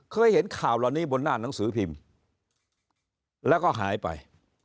เคยเห็นข่าวเหล่านี้บนหน้าหนังสือพิมพ์แล้วก็หายไป